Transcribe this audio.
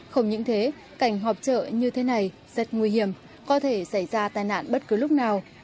không những thế cảnh họp chợ như thế này rất nguy hiểm có thể xảy ra tai nạn bất cứ lúc nào